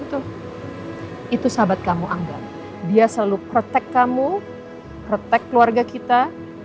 itu itu sahabat kamu angga dia selalu melindungi kamu melindungi keluarga kita